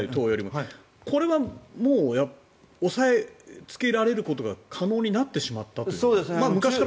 これは押さえつけられることが可能になってしまったということですか。